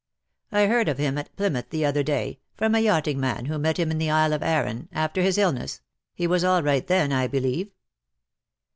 I heard of him at Plymouth the other day, from a yachting man who met him in the Isle of Arran, after his illness — he was all right then, I believe."